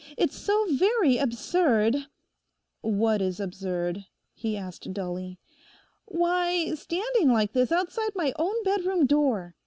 It's so very absurd—' 'What is absurd?' he asked dully. 'Why, standing like this outside my own bedroom door.